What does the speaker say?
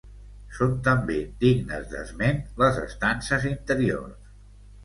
Són també dignes d'esment les estances interiors.